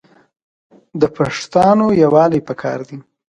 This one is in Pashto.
د پښتانو یوالي پکار دی.